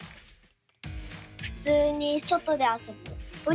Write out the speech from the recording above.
普通に外で遊ぶ。